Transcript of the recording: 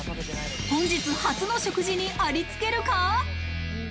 本日初の食事にありつけるか？